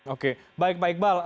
oke baik pak iqbal